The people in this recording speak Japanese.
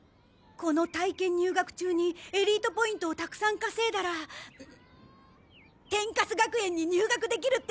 この体験入学中にエリートポイントをたくさん稼いだら天カス学園に入学できるって本当ですか？